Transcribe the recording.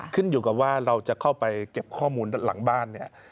ขึ้นอยู่กับว่าเราจะเข้าไปเก็บข้อมูลด้านหลังบ้านเนี่ย